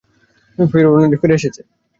ফিওরনের ফিরে এসেছে।